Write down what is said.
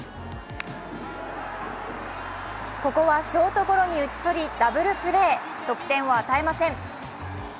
ここはショートゴロに打ち取り、ダブルプレー、得点を与えません。